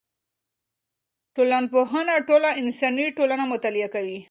ټولنپوهنه ټوله انساني ټولنه مطالعه کوي.